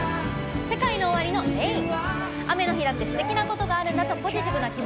ＳＥＫＡＩＮＯＯＷＡＲＩの「ＲＡＩＮ」。